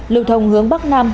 lực thông hướng bắc nam